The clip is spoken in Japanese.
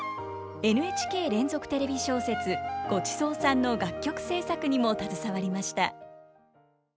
ＮＨＫ連続テレビ小説「ごちそうさん」の楽曲制作にも携わりました。